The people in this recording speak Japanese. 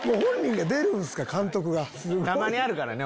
たまにあるからね。